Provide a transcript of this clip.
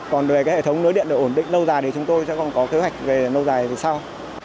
còn về hệ thống nới điện được ổn định lâu dài thì chúng tôi sẽ còn có kế hoạch về lâu dài sau